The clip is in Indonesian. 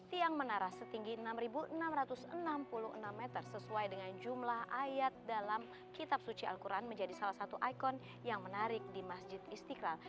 tiang menara setinggi enam enam ratus enam puluh enam meter sesuai dengan jumlah ayat dalam kitab suci al quran menjadi salah satu ikon yang menarik di masjid istiqlal